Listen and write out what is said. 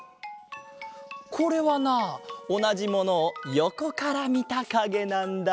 これはなおなじものをよこからみたかげなんだ。